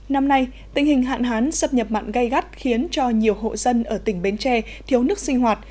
năm nay tình hình hạn hán sập nhập mặn gây gắt khiến cho nhiều hộ dân ở tỉnh bến tre thiếu nước sinh hoạt